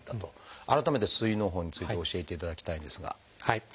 改めて膵のう胞について教えていただきたいんですが。